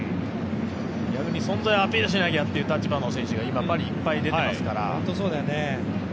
逆に存在をアピールしなきゃという選手が今、パリいっぱい出てますから。